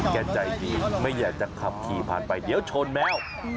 ใจดีไม่อยากจะขับขี่ผ่านไปเดี๋ยวชนแมว